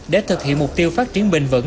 để thực hiện mục tiêu phát triển bình vẩn